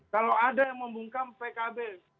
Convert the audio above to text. kalau ada yang membungkam pkb